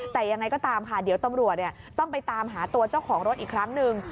แต่ยังไงก็ตามค่ะเดี๋ยวตำรวจต้องไปตามหาตัวเจ้าของรถอีกครั้งหนึ่ง